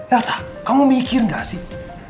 elsa kamu mikir gak sih